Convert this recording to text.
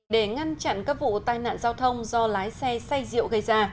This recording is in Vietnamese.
để ngăn chặn các vụ tai nạn giao thông do lái xe xay rượu gây ra